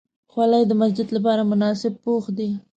خولۍ د مسجد لپاره مناسب پوښ دی.